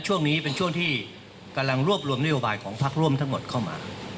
ช่วงนี้เป็นช่วงที่กำลังรวบรวมนโยบายของพักร่วมทั้งหมดเข้ามา